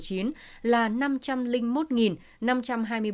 chín mươi ba người đã được tiêm vaccine covid một mươi chín